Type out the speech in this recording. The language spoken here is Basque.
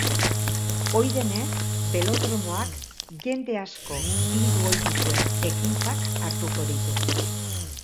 Ohi denez, belodromoak jende asko bildu ohi duen ekintzak hartuko ditu.